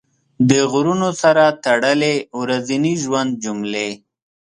د غرونو سره تړلې ورځني ژوند جملې